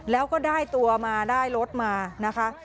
แล้วก็ได้ตัวมาได้รถมานะคะ